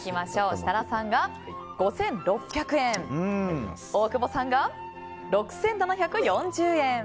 設楽さんが５６００円大久保さんが６７４０円。